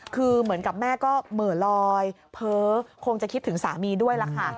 คือเหมือนกับแม่ก็เหม่อลอยเพ้อคงจะคิดถึงสามีด้วยล่ะค่ะ